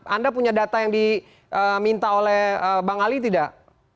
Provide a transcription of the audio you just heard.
anda punya data yang diminta oleh bang ali tidak